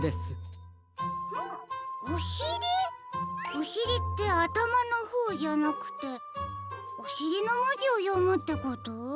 おしりってあたまのほうじゃなくておしりのもじをよむってこと？